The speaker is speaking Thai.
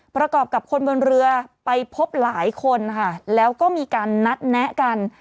ประกอบกับคนบนเรือไปพบหลายคนค่ะแล้วก็มีการนัดแนะกัน